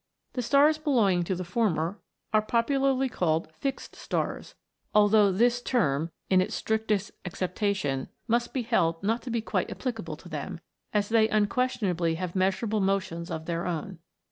The stars belonging to the former are popularly called fixed stars, although this term, in its strictest acceptation, must be held not to be 176 A FLIGHT THROUGH SPACE. quite applicable to them, as they unquestionably have measurable motions of their own.